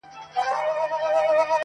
يو چا خوړلی يم خو سونډو کي يې جام نه کړم,